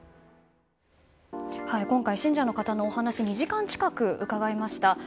今回、信者の方のお話を２時間近く伺いました。